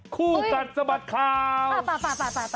คู่กันสมัสข่าวป่ะ